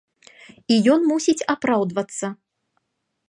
І ён мусіць апраўдвацца.